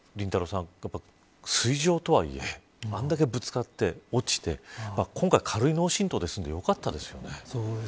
さん水上とはいえあれだけぶつかって、落ちて今回、軽い脳振とうで済んで良かったですよね。